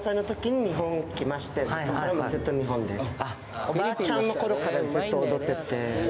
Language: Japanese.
そこからもうずっと日本です